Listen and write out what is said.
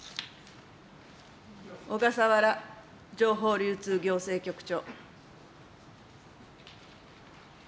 小笠原情報流通行政局長。